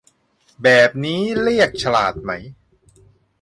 แบบนี้เรียกฉลาดไหม